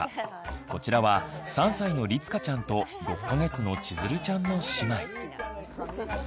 こちらは３歳のりつかちゃんと６か月のちづるちゃんの姉妹。